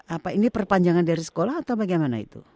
apa ini perpanjangan dari sekolah atau bagaimana itu